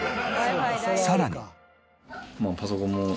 さらに。